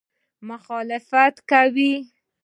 مخالفت کوي.